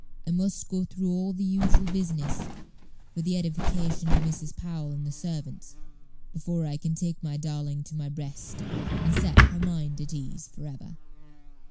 "I must go through all the usual business, for the edification of Mrs. Powell and the servants, before I can take my darling to my breast, and set her mind at ease for ever."